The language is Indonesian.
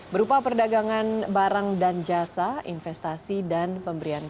berupa perdagangan barang dan jasa investasi dan pemberian